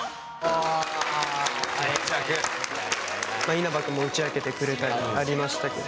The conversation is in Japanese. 稲葉君も打ち明けてくれたりありましたけど。